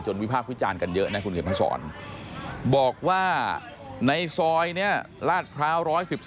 จนวิภาพพิจารณ์กันเยอะนะบอกว่าในซอยราชพร้าว๑๑๒